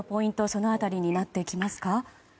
その辺りになってきますか？